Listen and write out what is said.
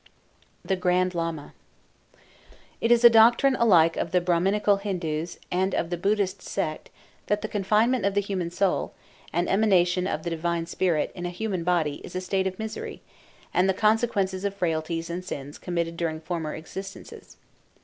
THE GRAND LAMA It is a doctrine alike of the Brahminical Hindus and of the Buddhist sect that the confinement of the human soul, an emanation of the divine spirit, in a human body, is a state of misery, and the consequence of frailties and sins committed during former existences.